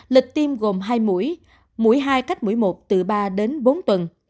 lịch tiêm gồm hai mũi mũi hai cách mũi một từ ba đến bốn tuần